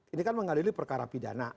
ini kan mengadili perkara pidana